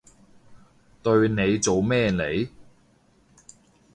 對你做咩嚟？